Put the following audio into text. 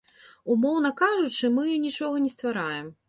Умоўна кажучы, мы нічога не ствараем.